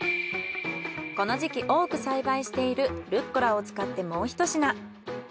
この時期多く栽培しているルッコラを使ってもうひと品。